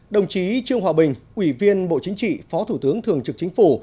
đồng chí trương hòa bình ủy viên bộ chính trị phó thủ tướng thường trực chính phủ